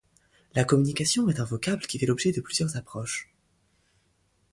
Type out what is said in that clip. La communication est un vocable qui fait l’objet de plusieurs approches.